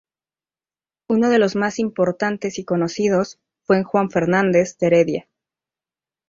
Uno de los más importantes y conocidos fue Juan Fernández de Heredia.